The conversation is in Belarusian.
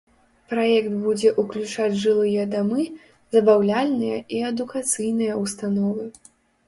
Праект будзе ўключаць жылыя дамы, забаўляльныя і адукацыйныя ўстановы.